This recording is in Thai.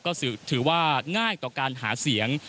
ก็ถือว่าง่ายต่อการหาเสียง